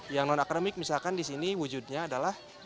yang non akademik misalkan di sini wujudnya adalah